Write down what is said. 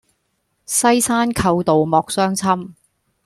西山寇盜莫相侵。